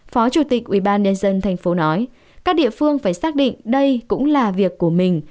phó chủ tịch ubnd tp nói các địa phương phải xác định đây cũng là việc của mình